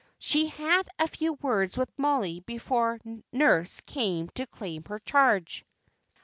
She had a few words with Mollie before nurse came to claim her charge.